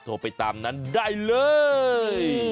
โทรไปตามนั้นได้เลย